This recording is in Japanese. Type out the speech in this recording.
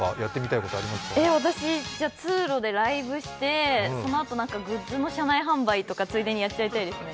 私、通路でライブしてそのあとグッズの車内販売とかついでにやっちゃいたいですね。